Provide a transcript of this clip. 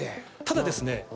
ただですね